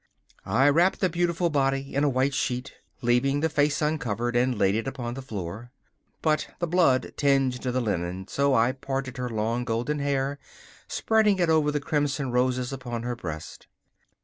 I wrapped the beautiful body in a white sheet, leaving the face uncovered, and laid it upon the floor. But the blood tinged the linen, so I parted her long golden hair, spreading it over the crimson roses upon her breast.